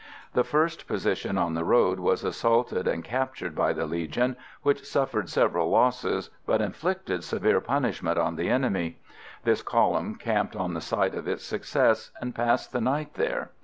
The first position on the road was assaulted and captured by the Legion, which suffered several losses, but inflicted severe punishment on the enemy. This column camped on the site of its success, and passed the night there.